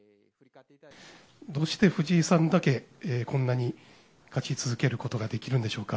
どうして藤井さんだけ、こんなに勝ち続けることができるんでしょうか。